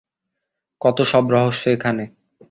কত সব রহস্য এখানে!